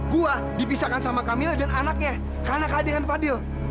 gue dipisahkan sama camilla dan anaknya karena kehadiran fadil